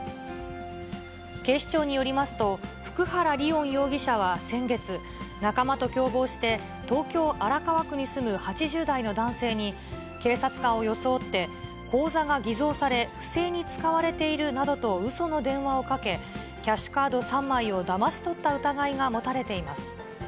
警視庁によりますと、普久原吏音容疑者は先月、仲間と共謀して東京・荒川区に住む８０代の男性に、警察官を装って口座が偽造され、不正に使われているなどと、うその電話をかけ、キャッシュカード３枚をだまし取った疑いが持たれています。